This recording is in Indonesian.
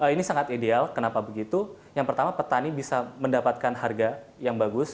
ini sangat ideal kenapa begitu